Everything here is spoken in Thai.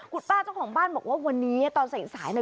คุณป้าเจ้าของบ้านบอกว่าวันนี้ตอนใส่สายเนี่ย